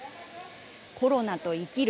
コロナと生きる